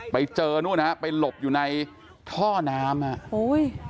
ไปดูนู่นฮะไปหลบอยู่ในท่อน้ำอ่ะโอ้ย